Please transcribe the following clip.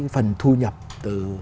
phần thu nhập từ